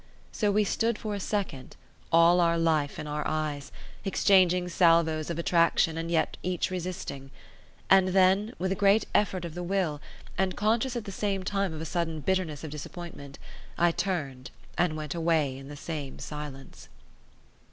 So we stood for a second, all our life in our eyes, exchanging salvos of attraction and yet each resisting; and then, with a great effort of the will, and conscious at the same time of a sudden bitterness of disappointment, I turned and went away in the same silence.